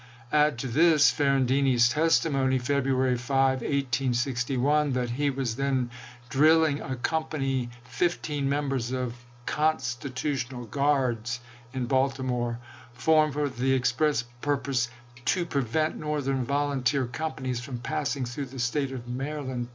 Add to this Ferrandini's testi mony (February 5, 1861), that he was then drilling a company (fifteen members) of " Constitutional Gruards " in Baltimore, formed for the express pur pose "to prevent Northern volunteer companies from passing through the State of Maryland